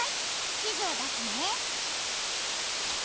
地図を出すね。